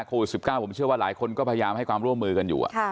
โควิด๑๙ผมเชื่อว่าหลายคนก็พยายามให้ความร่วมมือกันอยู่